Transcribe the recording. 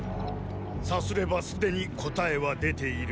さすればすでに答えは出ている。